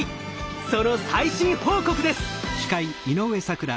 その最新報告です！